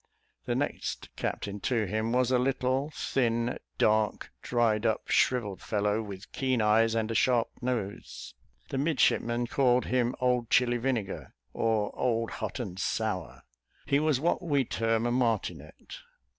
The next captain to him was a little, thin, dark, dried up, shrivelled fellow, with keen eyes, and a sharp nose. The midshipmen called him "Old Chili Vinegar," or, "Old Hot and Sour." He was what we term a martinet.